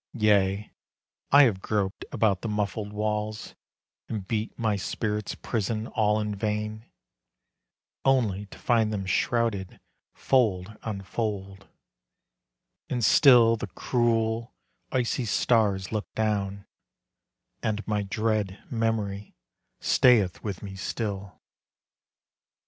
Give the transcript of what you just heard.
Yea, I have groped about the muffled walls, And beat my spirit's prison all in vain, Only to find them shrouded fold on fold; And still the cruel, icy stars look down, And my dread memory stayeth with me still.